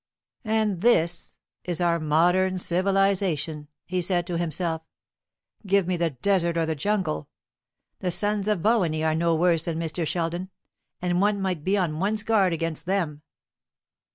"And this is our modern civilization!" he said to himself. "Give me the desert or the jungle. The sons of Bowanee are no worse than Mr. Sheldon, and one might be on one's guard against them."